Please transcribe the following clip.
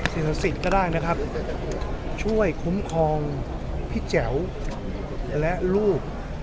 เศรษฐศิรษฐก็ได้นะครับช่วยคุ้มคลองพิแจ๋วและลูบ